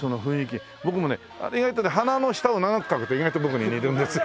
僕もね意外とね鼻の下を長く描くと意外と僕に似るんですよ。